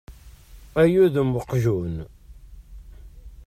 Ay udem uqejjun!